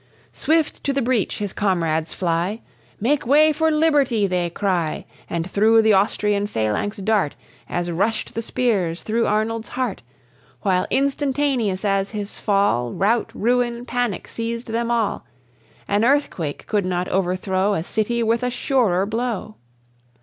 Swift to the breach his comrades fly, "Make way for liberty!" they cry, And through the Austrian phalanx dart, As rushed the spears through Arnold's heart. While instantaneous as his fall, Rout, ruin, panic, seized them all; An earthquake could not overthrow A city with a surer blow.